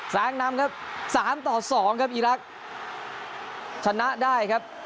แซงนำครับสามต่อสองครับอีรักษ์ชนะได้ครับ